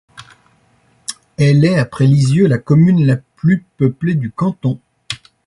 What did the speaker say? Elle est, après Lisieux, la commune la plus peuplée du canton.